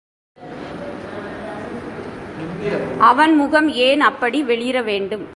அவன் முகம் ஏன் அப்படி வெளிற வேண்டும்?